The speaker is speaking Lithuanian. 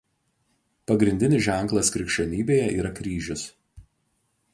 Pagrindinis ženklas krikščionybėje yra kryžius.